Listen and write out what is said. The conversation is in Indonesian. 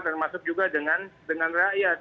dan masuk juga dengan rakyat